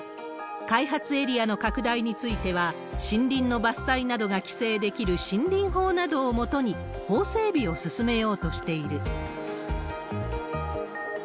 開発エリアの拡大については、森林の伐採などが規制できる森林法などをもとに、法整備を進めようとしている。